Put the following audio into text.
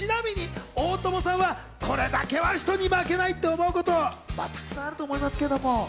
ちなみに大友さんはこれだけは人に負けないと思うこと、たくさんあると思いますけれども。